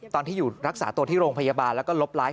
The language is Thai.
ตอนที่อยู่รักษาตัวที่โรงพยาบาว